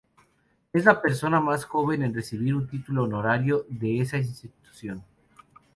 Es la persona más joven en recibir un título honorario de esa institución.